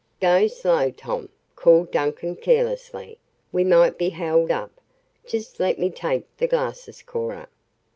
"Go slow, Tom," called Duncan carelessly. "We might be held up. Just let me take the glasses, Cora."